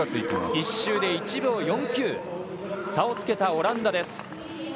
１周で１秒４９差をつけたオランダです。